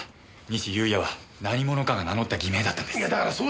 仁志雄也は何者かが名乗った偽名だったんです。